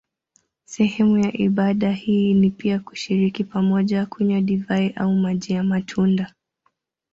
Sehemu ya ibada hii ni pia kushiriki pamoja kunywa divai au maji ya matunda.